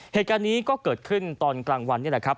เหตุการณ์นี้ก็เกิดขึ้นตอนกลางวันนี่แหละครับ